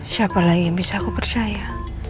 siapa lagi yang bisa aku percaya